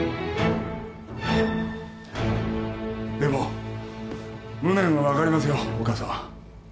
でも無念は分かりますよお母さん。